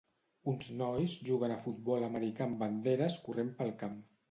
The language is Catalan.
Uns nois juguen a futbol americà amb banderes corrent pel camp.